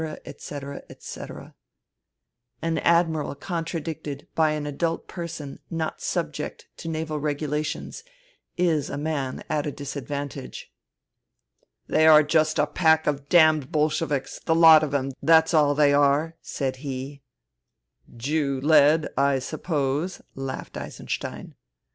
etc., etc. An Admiral contradicted by an adult person not subject to Naval regulations is a man at a disad vantage. " They are just a pack of damned Bolsheviks, the lot of them, that's all they are," said he. " Jew led, I suppose," laughed Eisenstein.